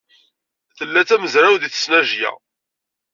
Tella d tamezrawt deg tesnajya.